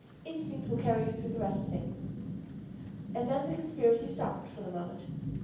"Instinct will carry you through the rest of it." And then the conspiracy stopped for the moment.